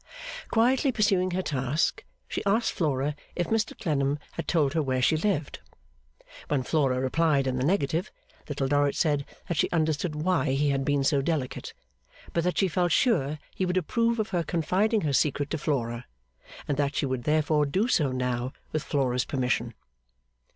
Quietly pursuing her task, she asked Flora if Mr Clennam had told her where she lived? When Flora replied in the negative, Little Dorrit said that she understood why he had been so delicate, but that she felt sure he would approve of her confiding her secret to Flora, and that she would therefore do so now with Flora's permission.